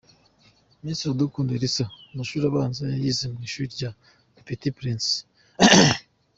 Miss Iradukunda Elsa amashuri abanza yayize mu ishuri rya “Le petit Prince”.